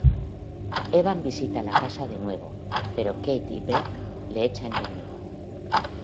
Evan visita la casa de nuevo, pero Kate y Bec le echan de nuevo.